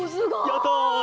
やった！